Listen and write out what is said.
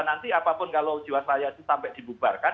nanti apapun kalau di wasraya itu sampai dibubarkan